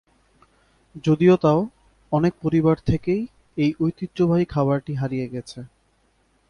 যদিও তাও অনেক পরিবার থেকেই এই ঐতিহ্যবাহী খাবারটি হারিয়ে গেছে।